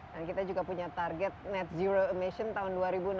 dan kita juga punya target net zero emission tahun dua ribu enam puluh